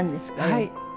はい。